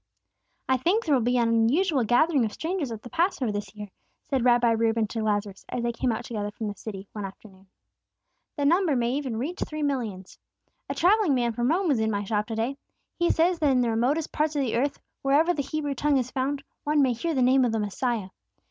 "I THINK there will be an unusual gathering of strangers at the Passover this year," said Rabbi Reuben to Lazarus, as they came out together from the city, one afternoon. "The number may even reach three millions. A travelling man from Rome was in my shop to day. He says that in the remotest parts of the earth, wherever the Hebrew tongue is found, one may hear the name of the Messiah.